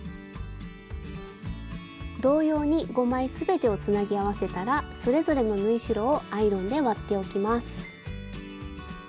同様に５枚全てをつなぎ合わせたらそれぞれの縫い代をアイロンで割っておきます。